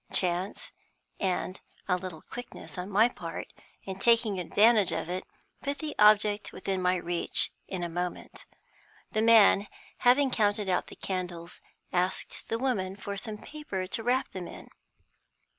Chance, and a little quickness on my part in taking advantage of it, put the object within my reach in a moment. The man, having counted out the candles, asked the woman for some paper to wrap them in.